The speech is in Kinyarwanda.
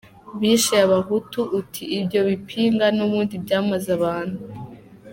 – Bishe Abahutu uti “ibyo bipinga n’ubundi byamaze abantu”